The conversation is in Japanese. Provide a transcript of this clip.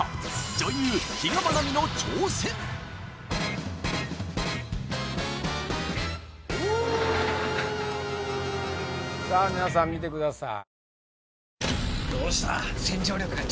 女優比嘉愛未の挑戦さあみなさん見てください